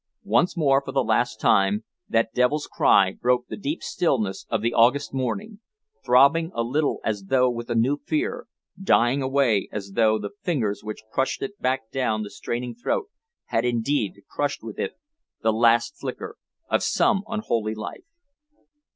Once more, for the last time, that devil's cry broke the deep stillness of the August morning, throbbing a little as though with a new fear, dying away as though the fingers which crushed it back down the straining throat had indeed crushed with it the last flicker of some unholy life.